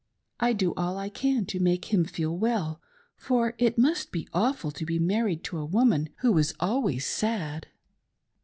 I do all I can to make him feel well, for it must be awful to be married to a woman who is always sad."